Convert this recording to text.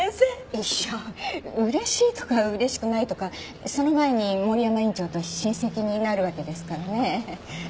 いや嬉しいとか嬉しくないとかその前に森山院長と親戚になるわけですからね。